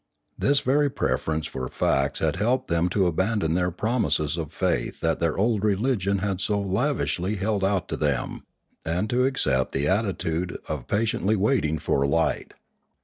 This very preference for facts had helped them to abandon the promises of faith that their old religion had so lavishly held out to them, and to accept the attitude of patiently waiting for light.